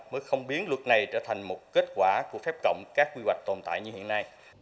mới không biến luật này trở thành một kết quả của phép cộng các quy hoạch tồn tại như hiện nay